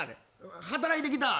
働いてきたんや。